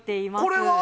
これは？